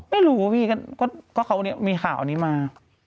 ไม่รู้พี่ก็เขามีข่าวนี้มา